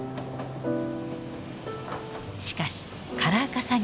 しかしカラー化作業